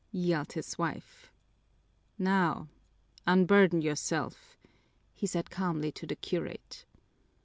yelled his wife. "Now, unburden yourself," he said calmly to the curate.